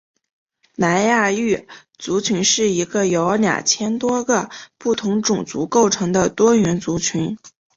南亚裔族群是一个由二千多个不同种族构成的多元族群。